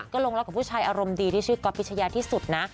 ก็ลงรักกับผู้ชายอารมณ์ดีที่ชื่อก๊อปพิชยาที่สุดนะ